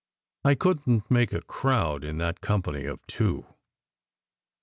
I couldn t make a "crowd" in that "company" of two!